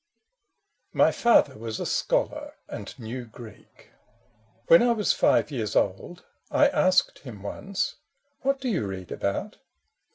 Mv Father was a scholar and knew Greek. When I was five )ears old, I asked him once " What do you read about